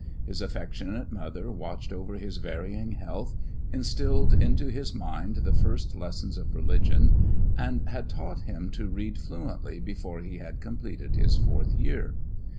His affectionate mother watched over his varying health, instilled into his mind the first lessons of religion, and had taught him to read fluently before he had completed his fourth year.